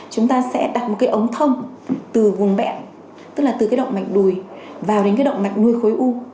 chúng ta sẽ đặt một cái ống thông từ vùng bẹn tức là từ cái động mạch đùi vào đến cái động mạch nuôi khối u